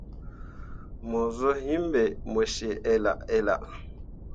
Mo zuu yim be mo cii ella ella.